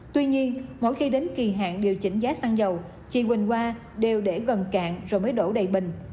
tuy nhiên mỗi khi đến kỳ hạn điều chỉnh giá xăng dầu chị quỳnh hoa đều để gần cạn rồi mới đổ đầy bình